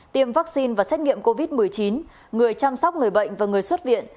tiêm vaccine và xét nghiệm covid một mươi chín người chăm sóc người bệnh và người xuất viện